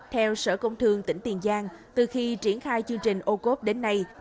theo sở công thương tỉnh tiền giang từ khi triển khai chương trình ocov đến nay